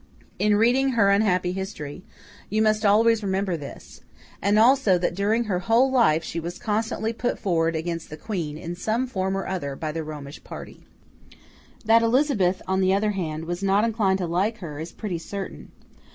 In reading her unhappy history, you must always remember this; and also that during her whole life she was constantly put forward against the Queen, in some form or other, by the Romish party. That Elizabeth, on the other hand, was not inclined to like her, is pretty certain.